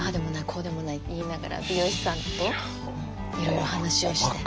こうでもないって言いながら美容師さんといろいろ話をして。